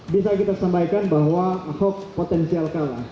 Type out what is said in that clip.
bisa kita sampaikan bahwa ahok potensial kalah